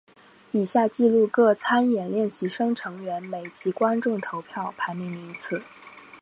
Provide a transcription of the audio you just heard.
以下记录各参演练习生成员每集观众投票排名名次。